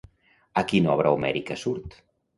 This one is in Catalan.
A quina obra homèrica surt?